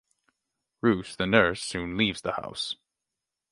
Rouse, the nurse soon leaves the house.